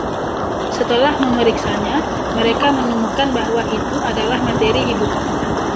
Setelah memeriksanya, mereka menemukan bahwa itu adalah materi hidup.